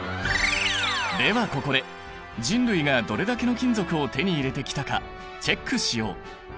ではここで人類がどれだけの金属を手に入れてきたかチェックしよう！